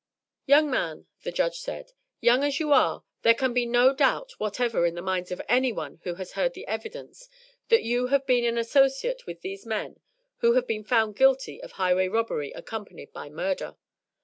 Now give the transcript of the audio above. "Young man," the judge said, "young as you are, there can be no doubt whatever in the minds of anyone who has heard the evidence that you have been an associate with these men who have been found guilty of highway robbery accompanied by murder.